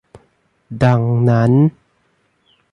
ดังนั้น